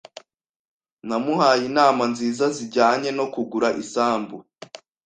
Namuhaye inama nziza zijyanye no kugura isambu.